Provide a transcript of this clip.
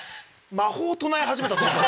魔法を唱え始めた。